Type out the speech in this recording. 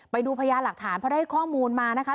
ไปดูพยานหลักฐานเพราะได้ข้อมูลมานะคะ